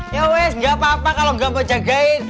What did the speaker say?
ya wes nggak apa apa kalau nggak mau jagain